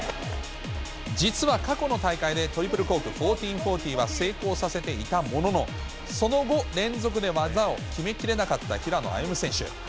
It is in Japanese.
実は過去の大会でトリプルコーク１４４０は、成功させていたものの、その後、連続で技を決めきれなかった平野歩夢選手。